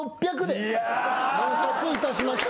入札いたしました。